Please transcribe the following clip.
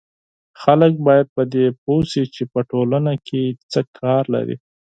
خلک باید په دې پوه سي چې په ټولنه کې څه مسولیت لري